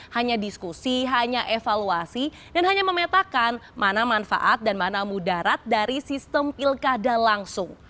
hanya diskusi hanya evaluasi dan hanya memetakan mana manfaat dan mana mudarat dari sistem pilkada langsung